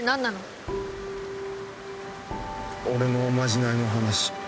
俺のおまじないの話。